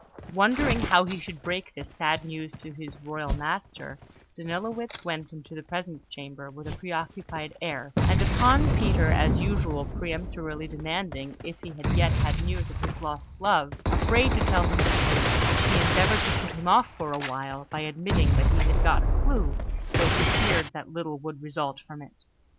Wondering how he should break this sad news to his royal master, Danilowitz went into the presence chamber with a preoccupied air, and upon Peter as usual peremptorily demanding if he yet had news of his lost love, afraid to tell him the truth, he endeavoured to put him off for a while by admitting that he had got a clue, though he feared that little would result from it.